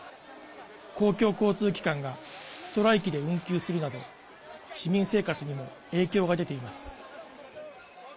公共交通機関がストライキで運休するなど市民生活にも影響が出ています。